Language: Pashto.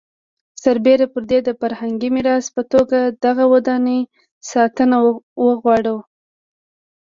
سربېره پر دې د فرهنګي میراث په توګه دغه ودانۍ ساتنه وغواړو.